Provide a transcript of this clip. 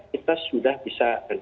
kita sudah bisa